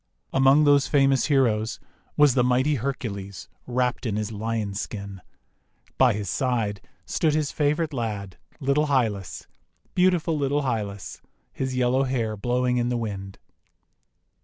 1 Among those famous heroes was the Mighty Hercules wrapped in his lion skin. By his side stood his favourite lad, little Hylas, beautiful little Hylas, his yellow hair blowing in the wind.